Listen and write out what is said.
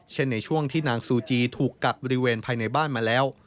ในช่วงที่นางซูจีถูกกักบริเวณภายในบ้านมาแล้ว